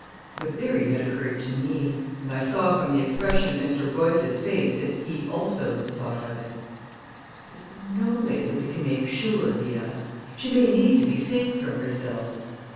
The theory had occurred to me, and I saw from the expression of Mr. Royce's face that he, also, had thought of it. "Is there no way that we can make sure?" he asked. "She may need to be saved from herself."